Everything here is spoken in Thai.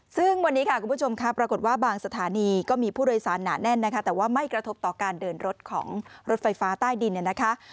ซึ่งวันนี้ค่ะคุณผู้ชมค่ะปรากฏว่าบางสถานีก็มีผู้โดยสารหนาแน่นนะคะแต่ว่าไม่กระทบต่อการเดินรถของรถไฟฟ้าใต้ดินเนี่ยนะคะ